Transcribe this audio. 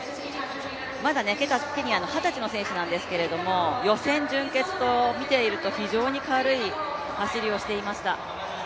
まだケニアの二十歳の選手なんですけれども予選、準決とみていると非常に軽い走りをしていました。